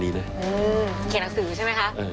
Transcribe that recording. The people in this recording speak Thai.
เขียนหนังสือใช่ไหมคะ